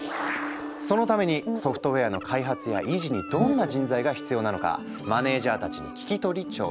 そのためにソフトウェアの開発や維持にどんな人材が必要なのかマネージャーたちに聞き取り調査。